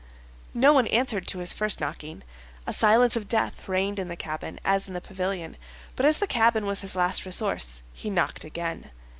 No one answered to his first knocking. A silence of death reigned in the cabin as in the pavilion; but as the cabin was his last resource, he knocked again.